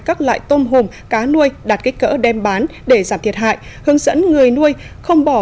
các loại tôm hùm cá nuôi đạt kích cỡ đem bán để giảm thiệt hại hướng dẫn người nuôi không bỏ